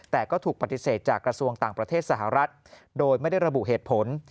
แต่ก็ถูกปฏิเสธจากกระทรวงต่างประเทศสหรัฐโดยไม่ได้ระบุเหตุผล